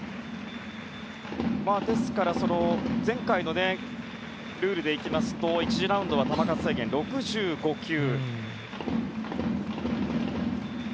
ですから前回のルールでいきますと１次ラウンドは球数制限は６５球。